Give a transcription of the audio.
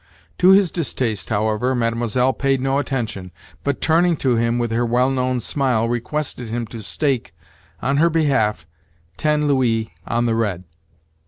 To his distaste, however, Mlle. paid no attention, but, turning to him with her well known smile, requested him to stake, on her behalf, ten louis on the red.